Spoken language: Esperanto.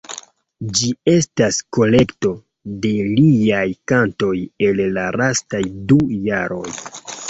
Ĝi estas kolekto de liaj kantoj el la lastaj du jaroj.